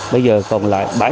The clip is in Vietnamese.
bây giờ còn lại